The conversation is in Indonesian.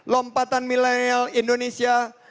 lompatan milenial indonesia